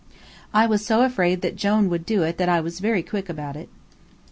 I was so afraid that Jone would do it that I was very quick about it.